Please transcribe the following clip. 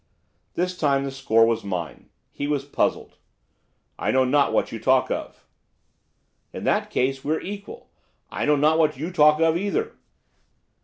This time the score was mine, he was puzzled. 'I know not what you talk of.' 'In that case, we're equal, I know not what you talk of either.